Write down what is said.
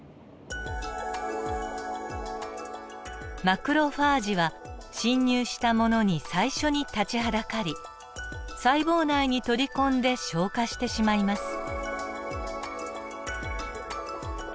マクロファージは侵入したものに最初に立ちはだかり細胞内に取り込んで消化してしまいます。